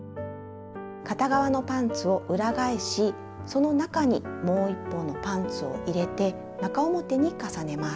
片側のパンツを裏返しその中にもう一方のパンツを入れて中表に重ねます。